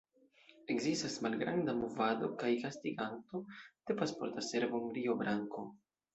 Ekzistas malgranda movado kaj gastiganto de Pasporta Servo en Rio Branco.